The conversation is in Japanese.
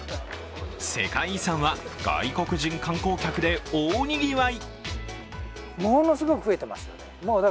世界遺産は外国人観光客で大にぎわい。